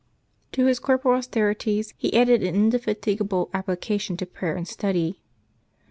To his corporal austerities he added an indefati gable application to prayer and study.